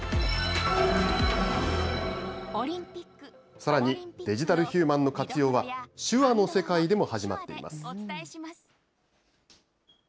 さらに、デジタルヒューマンの活用は、手話の世界でも始まっています。